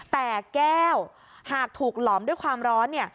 แต่แก้วหากถูกหลอมด้วยความร้อนเนี่ย